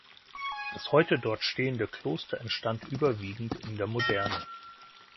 Das heute dort stehende Kloster entstand überwiegend in der Moderne.